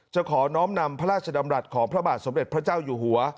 ขอน้อมนำพระราชดำรัฐของพระบาทสมเด็จพระเจ้าอยู่หัว